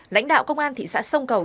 lãnh đạo công an thị xã sông cầu